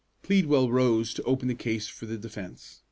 Pleadwell rose to open the case for the defence.